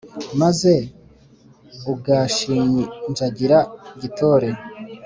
Maze ugashinjagira gitore,